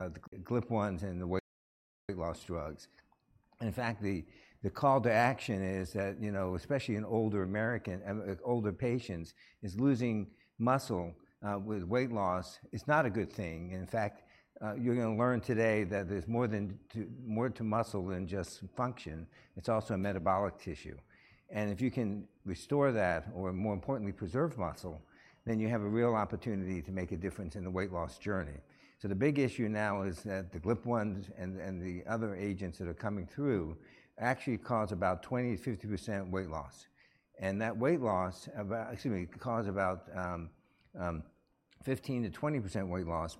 The GLP-1s and the weight loss drugs. In fact, the call to action is that, you know, especially in older American older patients, is losing muscle with weight loss is not a good thing. In fact, you're gonna learn today that there's more to muscle than just function. It's also a metabolic tissue, and if you can restore that, or more importantly, preserve muscle, then you have a real opportunity to make a difference in the weight loss journey. So the big issue now is that the GLP-1s and the other agents that are coming through actually cause about 15%-20% weight loss, but that weight loss, about 20%-50%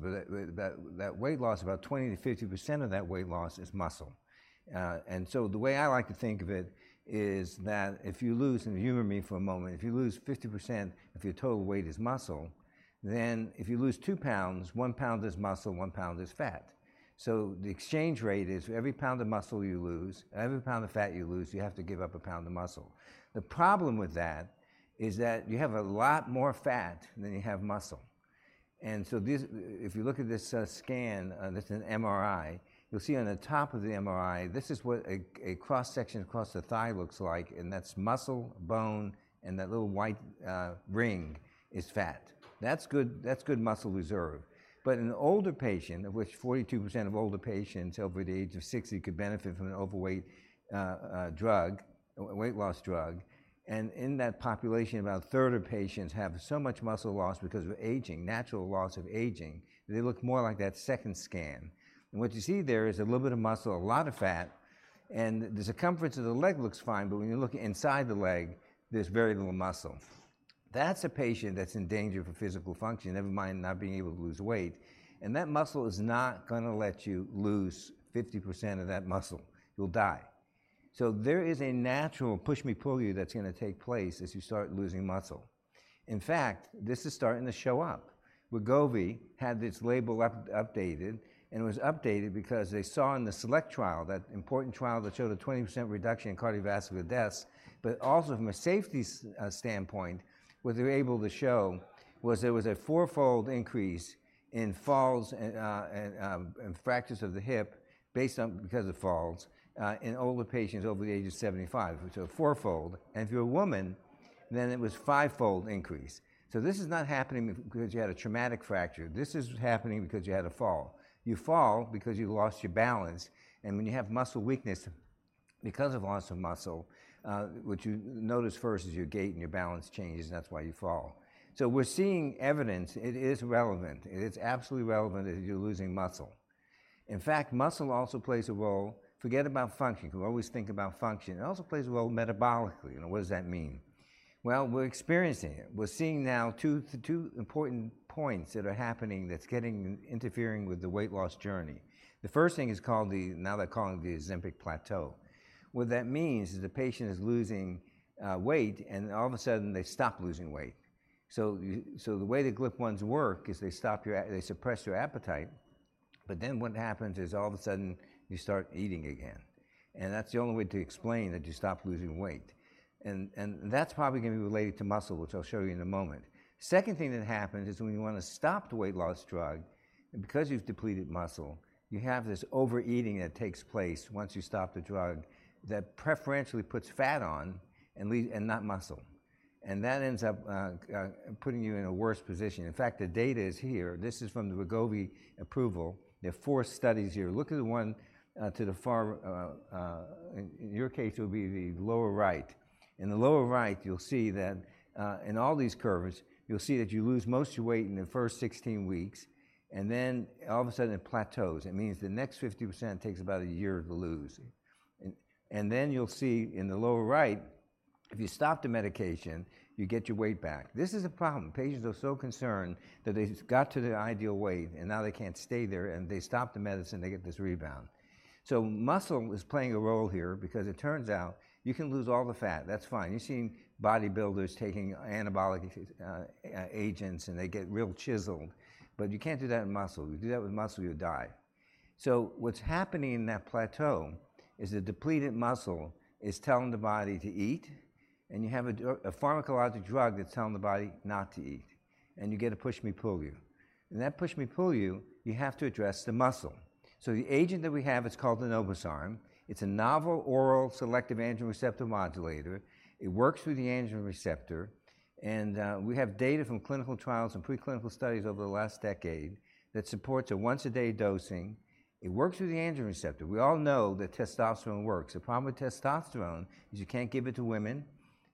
of that weight loss is muscle. And so the way I like to think of it is that if you lose, and humor me for a moment, if you lose 50% of your total weight is muscle, then if you lose two pounds, one pound is muscle, one pound is fat. So the exchange rate is for every pound of muscle you lose, every pound of fat you lose, you have to give up a pound of muscle. The problem with that is that you have a lot more fat than you have muscle. And so this, if you look at this scan, this is an MRI, you'll see on the top of the MRI, this is what a cross-section across the thigh looks like, and that's muscle, bone, and that little white ring is fat. That's good, that's good muscle reserve. But in an older patient, of which 42% of older patients over the age of 60 could benefit from a weight loss drug, and in that population, about a third of patients have so much muscle loss because of aging, natural loss of aging. They look more like that second scan, and what you see there is a little bit of muscle, a lot of fat, and the circumference of the leg looks fine, but when you look inside the leg, there's very little muscle. That's a patient that's in danger of a physical function, never mind not being able to lose weight, and that muscle is not gonna let you lose 50% of that muscle. You'll die. So there is a natural push me, pull you that's gonna take place as you start losing muscle. In fact, this is starting to show up. Wegovy had its label updated, and it was updated because they saw in the SELECT trial, that important trial that showed a 20% reduction in cardiovascular deaths, but also from a safety standpoint, what they were able to show was there was a fourfold increase in falls and fractures of the hip based on because of falls in older patients over the age of 75, which are fourfold, and if you're a woman, then it was fivefold increase. So this is not happening because you had a traumatic fracture. This is happening because you had a fall. You fall because you lost your balance, and when you have muscle weakness because of loss of muscle, what you notice first is your gait and your balance changes, and that's why you fall. We're seeing evidence. It is relevant. It is absolutely relevant that you're losing muscle. In fact, muscle also plays a role. Forget about function. We always think about function. It also plays a role metabolically. Now, what does that mean? Well, we're experiencing it. We're seeing now the two important points that are happening that's getting interfering with the weight loss journey. The first thing is called the, now they're calling it the Ozempic plateau. What that means is the patient is losing weight, and all of a sudden, they stop losing weight. So the way the GLP-1s work is they stop your, they suppress your appetite, but then what happens is, all of a sudden, you start eating again, and that's the only way to explain that you stop losing weight. And that's probably going to be related to muscle, which I'll show you in a moment. Second thing that happens is when you want to stop the weight loss drug, because you've depleted muscle, you have this overeating that takes place once you stop the drug, that preferentially puts fat on and not muscle. And that ends up putting you in a worse position. In fact, the data is here. This is from the Wegovy approval. There are four studies here. Look at the one to the far. In your case, it will be the lower right. In the lower right, you'll see that in all these curves, you'll see that you lose most of your weight in the first 16 weeks, and then all of a sudden, it plateaus. It means the next 50% takes about a year to lose. And then you'll see in the lower right, if you stop the medication, you get your weight back. This is a problem. Patients are so concerned that they got to their ideal weight, and now they can't stay there, and they stop the medicine. They get this rebound. So muscle is playing a role here because it turns out you can lose all the fat. That's fine. You've seen bodybuilders taking anabolic agents, and they get real chiseled, but you can't do that in muscle. You do that with muscle, you'll die. So what's happening in that plateau is the depleted muscle is telling the body to eat, and you have a pharmacologic drug that's telling the body not to eat, and you get a push me, pull you. And that push me, pull you, you have to address the muscle. So the agent that we have is called enobosarm. It's a novel oral selective androgen receptor modulator. It works through the androgen receptor, and we have data from clinical trials and preclinical studies over the last decade that supports a once-a-day dosing. It works through the androgen receptor. We all know that testosterone works. The problem with testosterone is you can't give it to women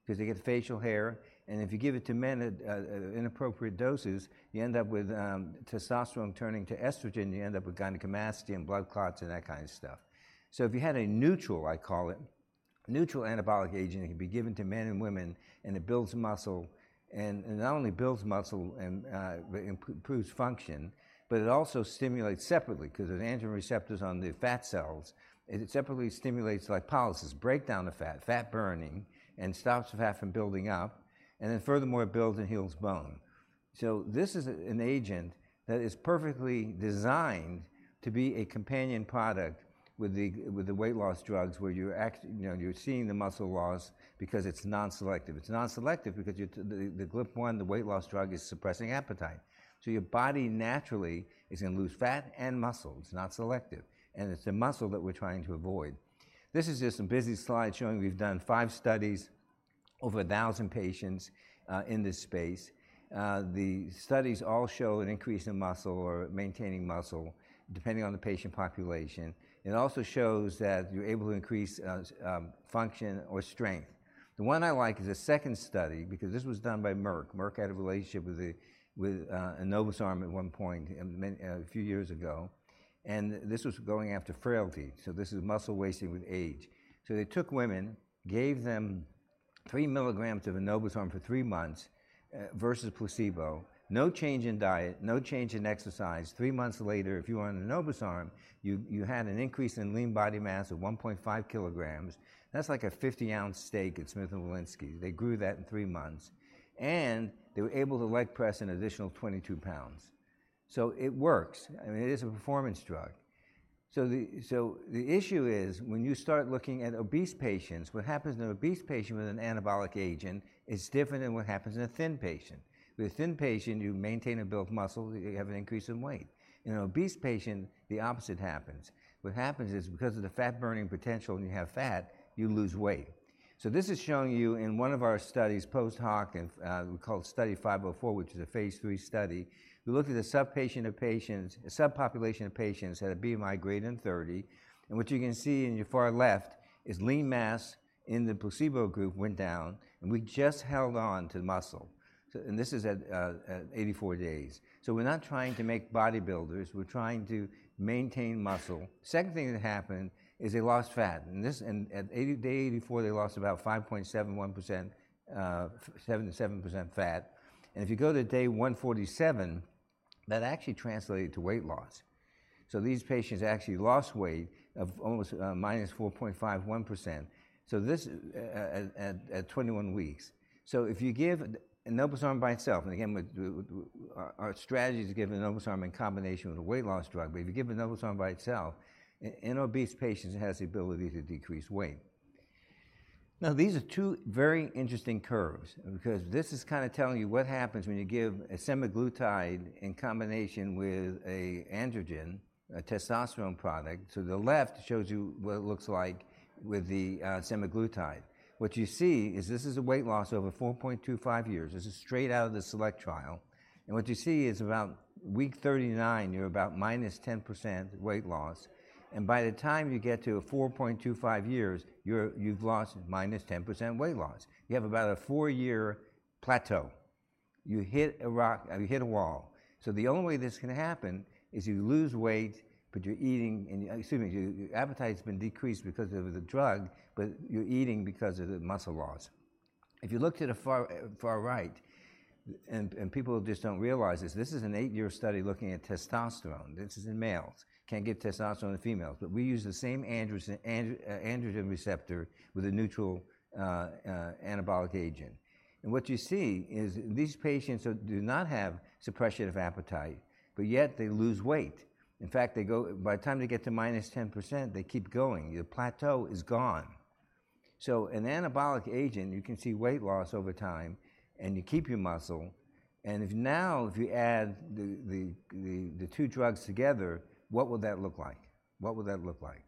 because they get facial hair, and if you give it to men at inappropriate doses, you end up with testosterone turning to estrogen, you end up with gynecomastia and blood clots and that kind of stuff. So if you had a neutral, I call it, neutral anabolic agent, it can be given to men and women, and it builds muscle. And not only builds muscle and improves function, but it also stimulates separately, because there's androgen receptors on the fat cells. It separately stimulates lipolysis, breakdown of fat, fat burning, and stops fat from building up, and then furthermore, it builds and heals bone. So this is an agent that is perfectly designed to be a companion product with the weight loss drugs, where you're, you know, you're seeing the muscle loss because it's non-selective. It's non-selective because you're, the GLP-1, the weight loss drug, is suppressing appetite. So your body naturally is gonna lose fat and muscle. It's not selective, and it's the muscle that we're trying to avoid. This is just a busy slide showing we've done five studies, over a 1,000 patients, in this space. The studies all show an increase in muscle or maintaining muscle, depending on the patient population. It also shows that you're able to increase function or strength. The one I like is the second study, because this was done by Merck. Merck had a relationship with enobosarm at one point, a few years ago, and this was going after frailty, so this is muscle wasting with age. So they took women, gave them three mg of enobosarm for three months versus placebo. No change in diet, no change in exercise. Three months later, if you were on enobosarm, you had an increase in lean body mass of 1.5 kg. That's like a 50 oz steak at Smith & Wollensky. They grew that in three months, and they were able to leg press an additional 22 pounds. It works, and it is a performance drug. The issue is, when you start looking at obese patients, what happens in an obese patient with an anabolic agent is different than what happens in a thin patient. With a thin patient, you maintain and build muscle, you have an increase in weight. In an obese patient, the opposite happens. What happens is, because of the fat-burning potential, when you have fat, you lose weight. This is showing you, in one of our studies, post hoc, we call it Study 504, which is a Phase 3 study, we looked at the subpopulation of patients that had a BMI greater than 30, and what you can see in your far left is lean mass in the placebo group went down, and we just held on to muscle. This is at 84 days. We're not trying to make bodybuilders, we're trying to maintain muscle. Second thing that happened is they lost fat, and at day 84, they lost about 5.71%, 7% fat, and if you go to day 147, that actually translated to weight loss. These patients actually lost weight of almost -4.51%, at 21 weeks. If you give enobosarm by itself, and again, our strategy is to give enobosarm in combination with a weight loss drug, but if you give enobosarm by itself, in obese patients, it has the ability to decrease weight. Now, these are two very interesting curves, because this is kind of telling you what happens when you give a semaglutide in combination with a androgen, a testosterone product. To the left shows you what it looks like with the semaglutide. What you see is, this is a weight loss over 4.25 years. This is straight out of the SELECT trial, and what you see is, around week 39, you're about minus 10% weight loss, and by the time you get to 4.25 years, you're, you've lost minus 10% weight loss. You have about a 4-year plateau. You hit a rock, you hit a wall. So the only way this can happen is you lose weight, but you're eating... and excuse me, your appetite's been decreased because of the drug, but you're eating because of the muscle loss. If you looked at the far right, and people just don't realize this, this is an eight-year study looking at testosterone. This is in males. Can't get testosterone in females, but we use the same androgen receptor with a neutral anabolic agent. And what you see is, these patients do not have suppression of appetite, but yet they lose weight. In fact, they go, by the time they get to minus 10%, they keep going. The plateau is gone. So an anabolic agent, you can see weight loss over time, and you keep your muscle, and if you add the two drugs together, what would that look like? What would that look like?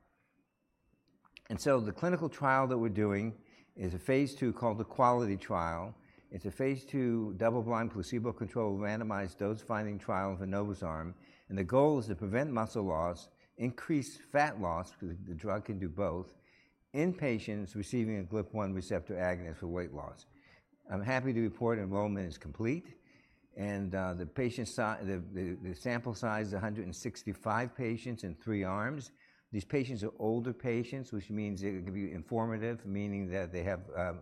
And so the clinical trial that we're doing is a Phase 2 called the QUALITY Trial. It's a Phase 2 double-blind, placebo-controlled, randomized dose-finding trial of enobosarm, and the goal is to prevent muscle loss, increase fat loss, because the drug can do both, in patients receiving a GLP-1 receptor agonist for weight loss. I'm happy to report enrollment is complete, and the sample size is 165 patients in three arms. These patients are older patients, which means it could be informative, meaning that they have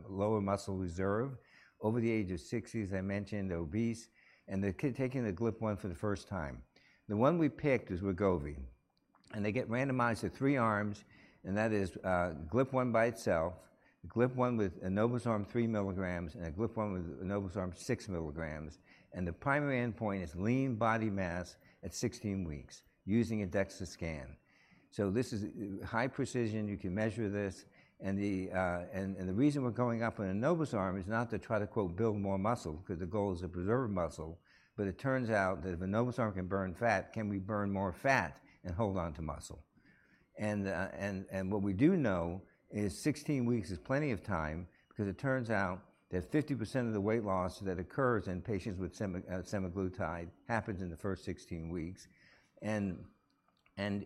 lower muscle reserve, over the age of sixties. I mentioned obese, and they're taking the GLP-1 for the first time. The one we picked is Wegovy, and they get randomized to three arms, and that is GLP-1 by itself, GLP-1 with enobosarm three mgs, and a GLP-1 with enobosarm six mg, and the primary endpoint is lean body mass at 16 weeks, using a DEXA scan. This is high precision. You can measure this, and the reason we're going up on enobosarm is not to try to, quote, "build more muscle," because the goal is to preserve muscle, but it turns out that if enobosarm can burn fat, can we burn more fat and hold on to muscle? And what we do know is 16 weeks is plenty of time, because it turns out that 50% of the weight loss that occurs in patients with semaglutide happens in the first 16 weeks, and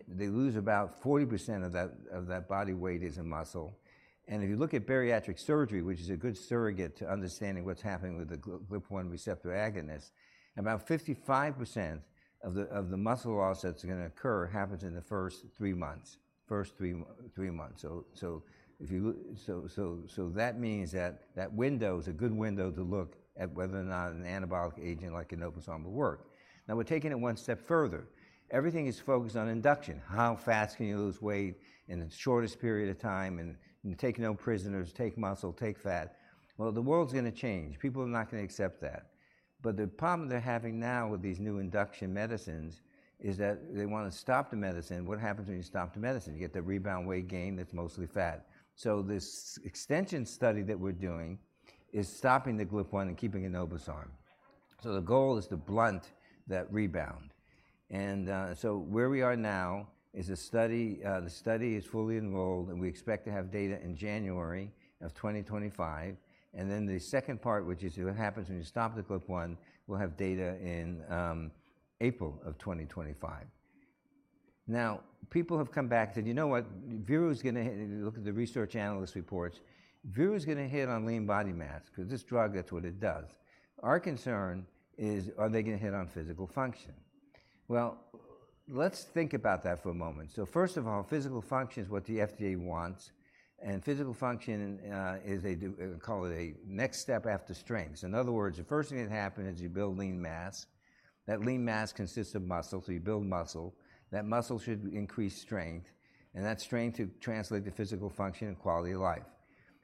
they lose about 40% of that body weight is in muscle. And if you look at bariatric surgery, which is a good surrogate to understanding what's happening with the GLP-1 receptor agonist, about 55% of the muscle loss that's gonna occur happens in the first three months. So that means that window is a good window to look at whether or not an anabolic agent like enobosarm will work. Now, we're taking it one step further. Everything is focused on induction. How fast can you lose weight in the shortest period of time, and take no prisoners, take muscle, take fat? Well, the world's gonna change. People are not gonna accept that. But the problem they're having now with these new induction medicines is that they wanna stop the medicine. What happens when you stop the medicine? You get the rebound weight gain that's mostly fat. So this extension study that we're doing is stopping the GLP-1 and keeping enobosarm. So the goal is to blunt that rebound. And so where we are now is a study, the study is fully enrolled, and we expect to have data in January of 2025. And then the second part, which is what happens when you stop the GLP-1, we'll have data in April of 2025. Now, people have come back and said, "You know what? Veru is gonna..." If you look at the research analyst reports, "Veru is gonna hit on lean body mass, 'cause this drug, that's what it does." Our concern is, are they gonna hit on physical function? Well, let's think about that for a moment. So first of all, physical function is what the FDA wants, and physical function is, call it a next step after strength. So in other words, the first thing that happens is you build lean mass. That lean mass consists of muscle, so you build muscle. That muscle should increase strength, and that strength should translate to physical function and quality of life,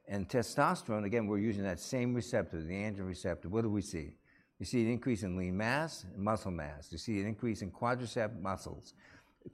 and testosterone, again, we're using that same receptor, the androgen receptor. What do we see? We see an increase in lean mass and muscle mass. We see an increase in quadriceps muscles.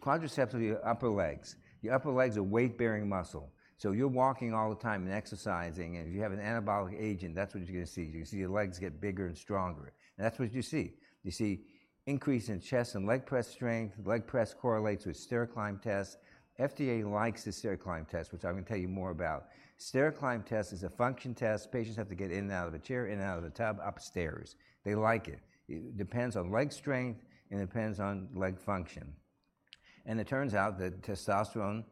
Quadriceps are your upper legs. Your upper legs are weight-bearing muscle, so you're walking all the time and exercising, and if you have an anabolic agent, that's what you're gonna see. You're gonna see your legs get bigger and stronger, and that's what you see. You see increase in chest and leg press strength. Leg press correlates with stair climb test. FDA likes the stair climb test, which I'm gonna tell you more about. Stair Climb Test is a function test. Patients have to get in and out of a chair, in and out of the tub, up stairs. They like it. It depends on leg strength, and it depends on leg function, and it turns out that testosterone,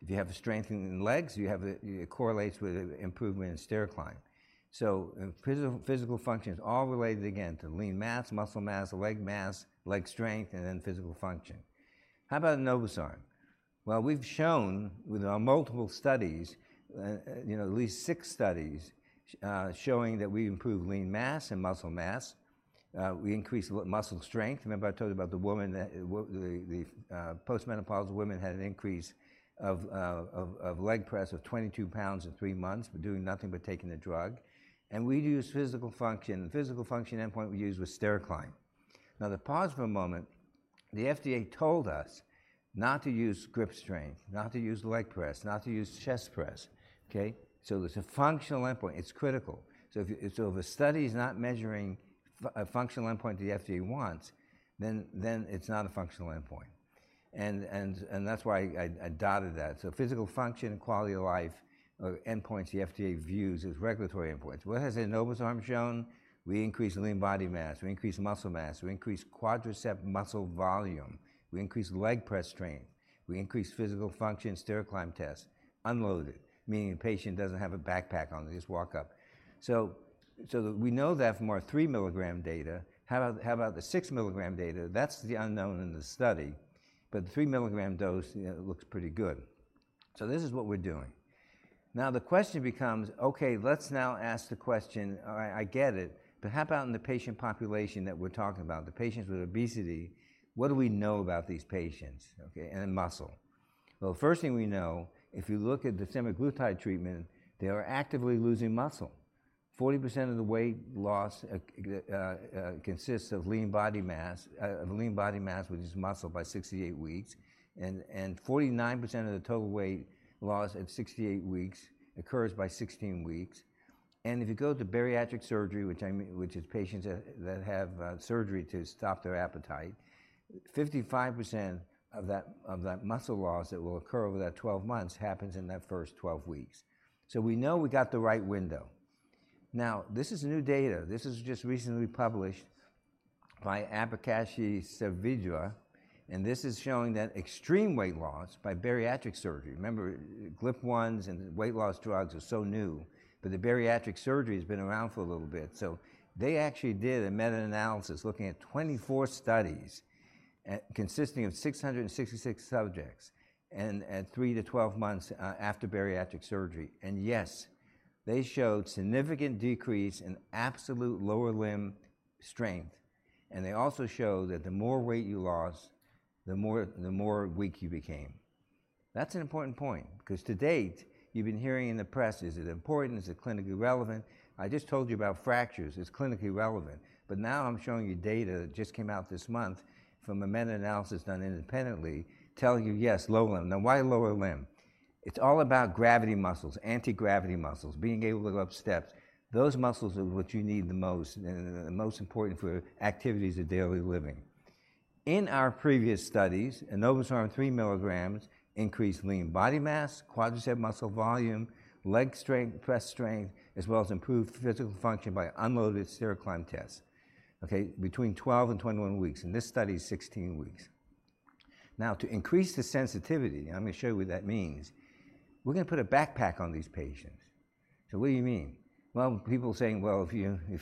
if you have strength in the legs, you have the, it correlates with improvement in stair climb, so physical function is all related, again, to lean mass, muscle mass, leg mass, leg strength, and then physical function. How about enobosarm? Well, we've shown with our multiple studies, you know, at least six studies, showing that we improve lean mass and muscle mass. We increase muscle strength. Remember I told you about the woman that the postmenopausal woman had an increase of leg press of 22 pounds in three months doing nothing but taking the drug. We use physical function. The physical function endpoint we used was stair climb. Now, to pause for a moment, the FDA told us not to use grip strength, not to use leg press, not to use chest press, okay? So it's a functional endpoint. It's critical. So if a study is not measuring a functional endpoint the FDA wants, then it's not a functional endpoint. That's why I dotted that. So physical function and quality of life are endpoints the FDA views as regulatory endpoints. What has enobosarm shown? We increase lean body mass, we increase muscle mass, we increase quadriceps muscle volume, we increase leg press strength, we increase physical function in stair climb test, unloaded, meaning the patient doesn't have a backpack on. They just walk up. So we know that from our three mg data. How about the six mg data? That's the unknown in the study, but the three mg dose, you know, it looks pretty good. So this is what we're doing. Now, the question becomes, okay, let's now ask the question. All right, I get it, but how about in the patient population that we're talking about, the patients with obesity, what do we know about these patients, okay, and muscle? Well, the first thing we know, if you look at the semaglutide treatment, they are actively losing muscle. 40% of the weight loss consists of lean body mass, which is muscle, by 68 weeks, and 49% of the total weight loss at 68 weeks occurs by 16 weeks. And if you go to bariatric surgery, which is patients that have surgery to stop their appetite, 55% of that muscle loss that will occur over that 12 months happens in that first 12 weeks. So we know we got the right window. Now, this is new data. This was just recently published by Abhikashi Savidjua, and this is showing that extreme weight loss by bariatric surgery. Remember, GLP-1s and weight loss drugs are so new, but the bariatric surgery has been around for a little bit. So they actually did a meta-analysis, looking at 24 studies, consisting of 666 subjects and at three to 12 months after bariatric surgery. And yes, they showed significant decrease in absolute lower limb strength, and they also showed that the more weight you lost, the more weak you became. That's an important point, 'cause to date, you've been hearing in the press: Is it important? Is it clinically relevant? I just told you about fractures. It's clinically relevant. But now I'm showing you data that just came out this month from a meta-analysis done independently, telling you, yes, lower limb. Now, why lower limb? It's all about gravity muscles, anti-gravity muscles, being able to go up steps. Those muscles are what you need the most and are the most important for activities of daily living. In our previous studies, enobosarm three milligrams increased lean body mass, quadriceps muscle volume, leg strength, press strength, as well as improved physical function by unloaded stair climb test, okay, between 12 and 21 weeks, and this study is 16 weeks. Now, to increase the sensitivity, I'm gonna show you what that means. We're gonna put a backpack on these patients. So what do you mean? Well, people saying, "Well, if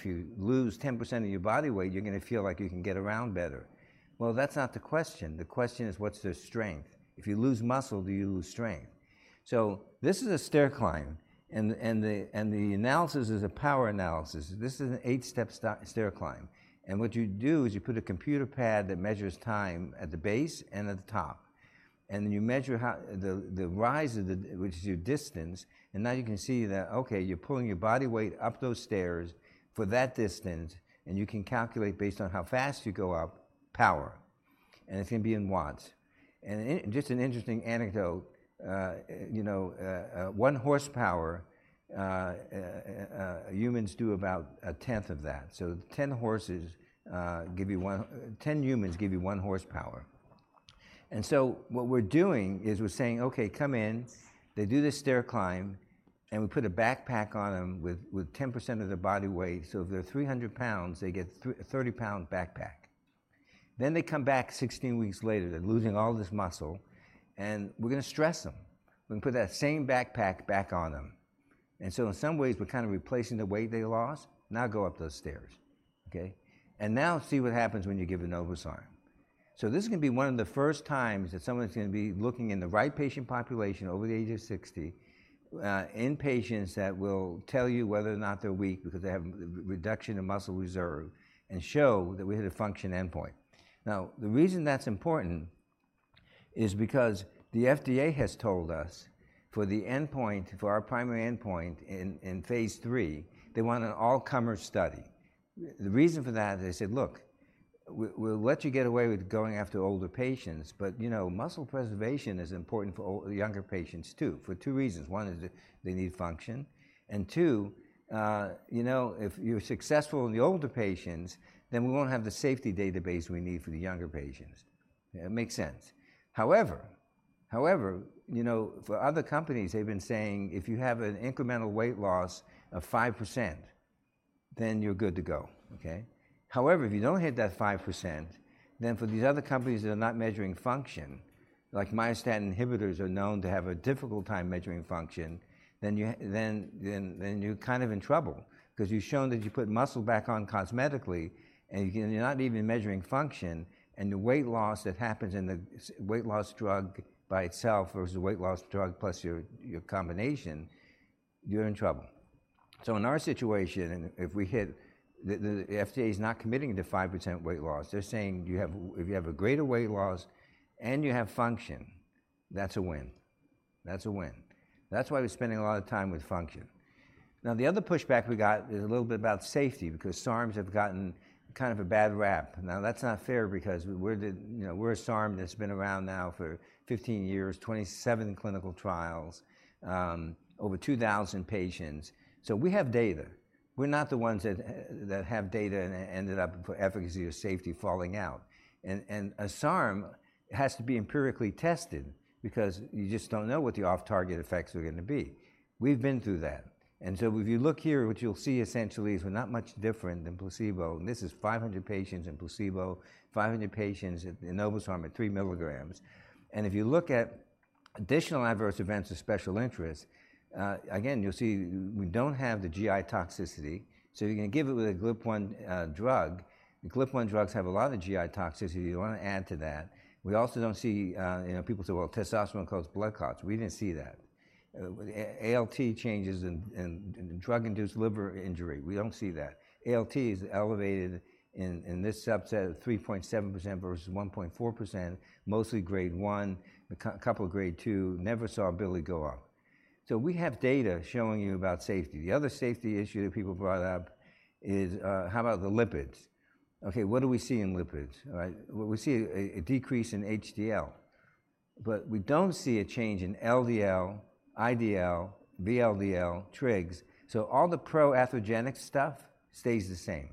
you lose 10% of your body weight, you're gonna feel like you can get around better." Well, that's not the question. The question is, what's their strength? If you lose muscle, do you lose strength? So this is a stair climb, and the analysis is a power analysis. This is an eight-step stair climb, and what you do is you put a computer pad that measures time at the base and at the top, and then you measure how the rise of the... which is your distance. And now you can see that, okay, you're pulling your body weight up those stairs for that distance, and you can calculate, based on how fast you go up, power... and it's gonna be in watts. And just an interesting anecdote, you know, one horsepower, humans do about a 1/10 of that. So 10 horses give you one, 10 humans give you one horsepower. And so what we're doing is we're saying, "Okay, come in." They do this stair climb, and we put a backpack on them with 10% of their body weight. So if they're 300 pounds, they get a 30-pound backpack. Then they come back sixteen weeks later, they're losing all this muscle, and we're gonna stress them. We're gonna put that same backpack back on them, and so in some ways, we're kind of replacing the weight they lost. Now go up those stairs, okay? And now see what happens when you give enobosarm. So this is gonna be one of the first times that someone's gonna be looking in the right patient population, over the age of 60, in patients that will tell you whether or not they're weak because they have reduction in muscle reserve, and show that we hit a function endpoint. Now, the reason that's important is because the FDA has told us, for the endpoint, for our primary endpoint in Phase 3, they want an all-comer study. The reason for that, they said, "Look, we'll let you get away with going after older patients, but, you know, muscle preservation is important for younger patients, too, for two reasons. One is they need function, and two, you know, if you're successful in the older patients, then we won't have the safety database we need for the younger patients." It makes sense. However, you know, for other companies, they've been saying, if you have an incremental weight loss of 5%, then you're good to go, okay? However, if you don't hit that 5%, then for these other companies that are not measuring function, like myostatin inhibitors are known to have a difficult time measuring function, then you're kind of in trouble. 'Cause you've shown that you put muscle back on cosmetically, and you're not even measuring function, and the weight loss that happens in the weight loss drug by itself, versus the weight loss drug plus your combination, you're in trouble. So in our situation, if we hit. The FDA is not committing to 5% weight loss. They're saying, "You have. If you have a greater weight loss, and you have function, that's a win. That's a win." That's why we're spending a lot of time with function. Now, the other pushback we got is a little bit about safety, because SARMs have gotten kind of a bad rap. Now, that's not fair, because we're the, you know, we're a SARM that's been around now for 15 years, 27 clinical trials, over 2,000 patients. So we have data. We're not the ones that have data and ended up efficacy or safety falling out. A SARM has to be empirically tested, because you just don't know what the off-target effects are gonna be. We've been through that, and so if you look here, what you'll see essentially is we're not much different than placebo, and this is 500 patients in placebo, 500 patients in enobosarm at 3 milligrams. If you look at additional adverse events of special interest, again, you'll see we don't have the GI toxicity, so you're gonna give it with a GLP-1 drug. The GLP-1 drugs have a lot of GI toxicity. You don't wanna add to that. We also don't see. You know, people say, "Well, testosterone causes blood clots." We didn't see that. ALT changes and drug-induced liver injury, we don't see that. ALT is elevated in this subset of 3.7% versus 1.4%, mostly Grade 1, a couple Grade 2, never saw a bili go up. So we have data showing you about safety. The other safety issue that people brought up is, how about the lipids? Okay, what do we see in lipids, right? We see a decrease in HDL, but we don't see a change in LDL, IDL, VLDL, trigs, so all the pro-atherogenic stuff stays the same.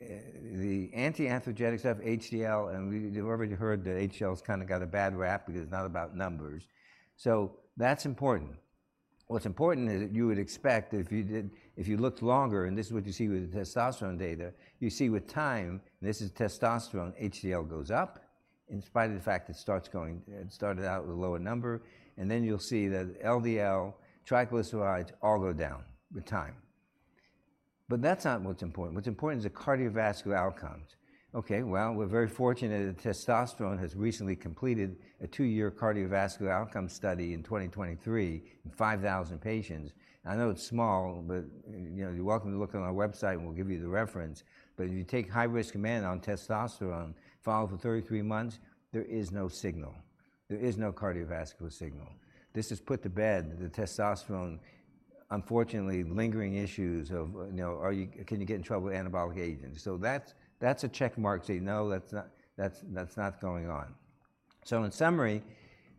The anti-atherogenic stuff, HDL, and you've already heard that HDL's kinda got a bad rap because it's not about numbers. So that's important. What's important is that you would expect, if you did, if you looked longer, and this is what you see with the testosterone data, you see with time, this is testosterone, HDL goes up, in spite of the fact it starts going, it started out with a lower number, and then you'll see that LDL, triglycerides, all go down with time. But that's not what's important. What's important is the cardiovascular outcomes. Okay, well, we're very fortunate that testosterone has recently completed a two-year cardiovascular outcome study in 2023, in 5,000 patients. I know it's small, but, you know, you're welcome to look on our website, and we'll give you the reference. But if you take high-risk men on testosterone, follow for 33 months, there is no signal. There is no cardiovascular signal. This has put to bed the testosterone, unfortunately, lingering issues of, you know, are you, can you get in trouble with anabolic agents? So that's, that's a check mark, say, "No, that's not, that's, that's not going on." So in summary,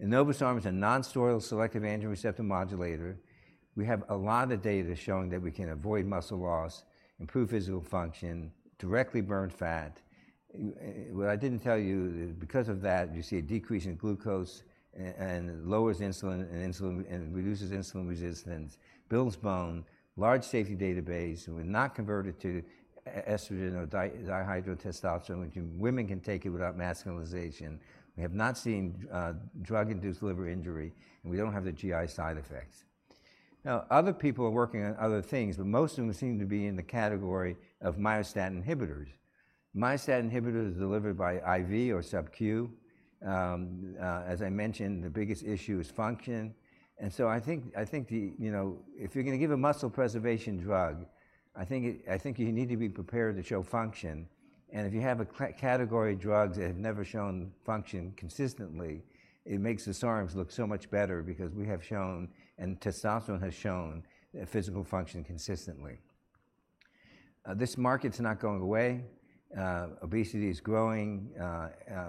enobosarm is a non-steroidal, selective androgen receptor modulator. We have a lot of data showing that we can avoid muscle loss, improve physical function, directly burn fat. What I didn't tell you, because of that, you see a decrease in glucose, and it lowers insulin and reduces insulin resistance, builds bone, large safety database, and we're not converted to estrogen or dihydrotestosterone, which women can take it without masculinization. We have not seen drug-induced liver injury, and we don't have the GI side effects. Now, other people are working on other things, but most of them seem to be in the category of myostatin inhibitors. Myostatin inhibitors are delivered by IV or SubQ. As I mentioned, the biggest issue is function, and so I think, you know, if you're gonna give a muscle preservation drug, I think you need to be prepared to show function, and if you have a category of drugs that have never shown function consistently, it makes the SARMs look so much better because we have shown, and testosterone has shown, physical function consistently. This market's not going away. Obesity is growing.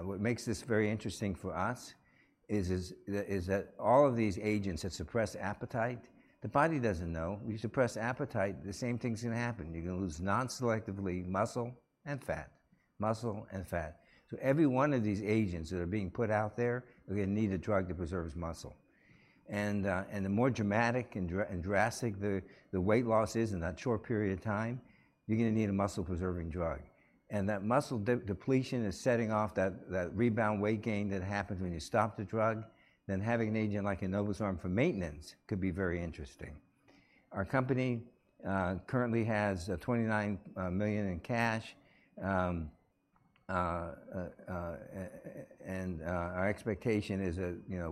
What makes this very interesting for us is that all of these agents that suppress appetite, the body doesn't know. When you suppress appetite, the same thing's gonna happen: you're gonna lose non-selectively muscle and fat, muscle and fat. So every one of these agents that are being put out there, we're gonna need a drug that preserves muscle, and the more dramatic and drastic the weight loss is in that short period of time, you're gonna need a muscle-preserving drug. And that muscle depletion is setting off that rebound weight gain that happens when you stop the drug, then having an agent like enobosarm for maintenance could be very interesting. Our company currently has $29 million in cash, and our expectation is that, you know,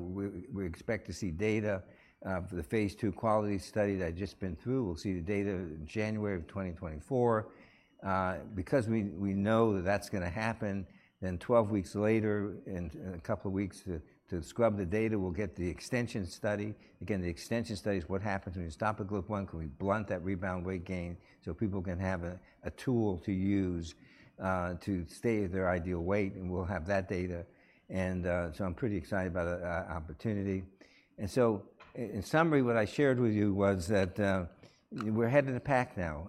we expect to see data for the Phase 2 quality study that had just been through. We'll see the data in January of 2024. Because we know that that's gonna happen, then 12 weeks later, and a couple of weeks to scrub the data, we'll get the extension study. Again, the extension study is what happens when you stop a GLP-1, can we blunt that rebound weight gain so people can have a tool to use to stay at their ideal weight, and we'll have that data, and so I'm pretty excited about the opportunity. In summary, what I shared with you was that we're head of the pack now.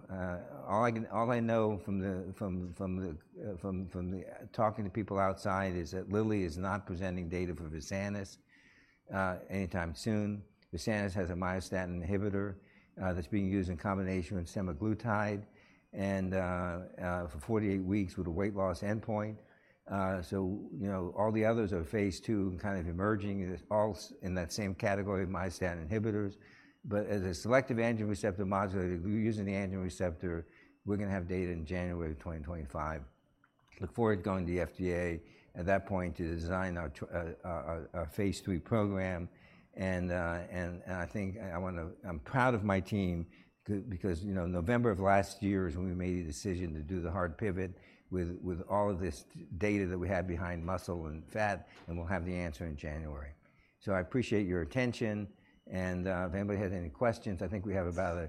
All I know from the talking to people outside is that Lilly is not presenting data for Versanis Bio anytime soon. Versanis Bio has a myostatin inhibitor that's being used in combination with semaglutide and for forty-eight weeks with a weight loss endpoint. So, you know, all the others are Phase 2 and kind of emerging, and it's all in that same category of myostatin inhibitors. But as a selective androgen receptor modulator, we're using the androgen receptor, we're gonna have data in January of 2025. Look forward to going to the FDA at that point to design our Phase 3 program, and I'm proud of my team because, you know, November of last year is when we made the decision to do the hard pivot with all of this data that we had behind muscle and fat, and we'll have the answer in January. So I appreciate your attention, and, if anybody has any questions, I think we have about a-